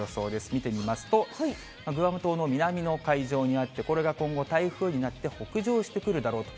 見てみますと、グアム島の南の海上にあって、これが今後、台風になって北上してくるだろうと。